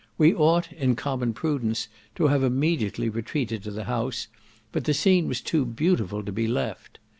We ought, in common prudence, to have immediately retreated to the house, but the scene was too beautiful to be left.